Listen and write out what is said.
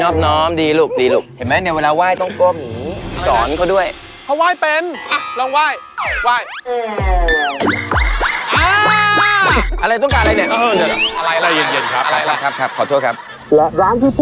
เชิญครับ